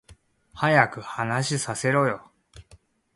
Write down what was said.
早く話させろよ